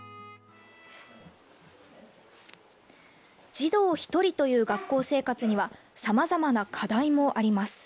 児童１人という学校生活にはさまざまな課題もあります。